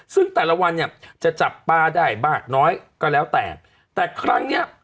ซึ่งแต่ละวันจะจับป้าได้บาดน้อยก็แล้วแต่เป็นครั้งนี้